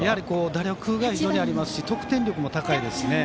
打力が非常にありますし得点力も高いですよね。